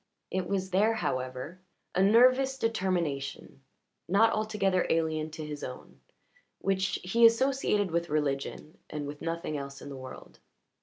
It was there, however a nervous determination, not altogether alien to his own, which he associated with religion and with nothing else in the world.